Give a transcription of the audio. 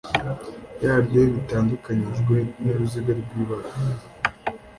Yaryo bitandukanyijwe n’uruziga rw’ibara